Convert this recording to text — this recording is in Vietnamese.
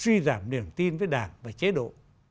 tuy giảm niềm tin với đảng và chế độ